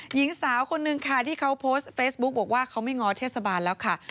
หญิงสาวคนนึงค่ะที่เขาโพสต์เฟซบุ๊กบอกว่าเขาไม่ง้อเทศบาลแล้วค่ะ